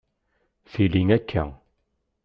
Tili akka